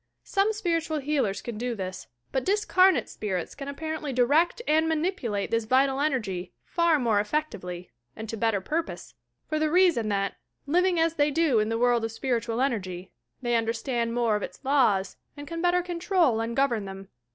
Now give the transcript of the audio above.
Some spiritual healers can do this; but discarnate spirits can apparently direct and manipulate this vital energy far more effectively and to better pur pose, for the reason that, living as they do in the world of spiritual energy, — ^they understand more of its laws, and can better control and govern them.